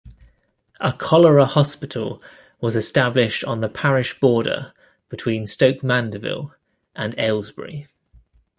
A cholera hospital was established on the parish border between Stoke Mandeville and Aylesbury.